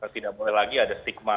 tidak boleh lagi ada stigma